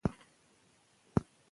د آدمخورو څېرې به د هر چا زړه لړزاوه.